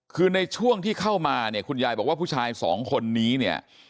คือในช่วงที่เข้ามาเนี่ยคุณยายบอกว่าผู้ชายสองคนนี้เนี่ย